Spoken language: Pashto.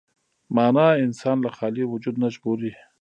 معنی انسان له خالي وجود نه ژغوري.